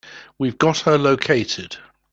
We've got her located.